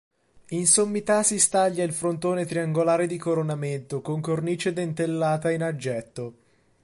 In sommità si staglia il frontone triangolare di coronamento, con cornice dentellata in aggetto.